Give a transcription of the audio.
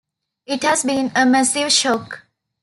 It's been a massive shock.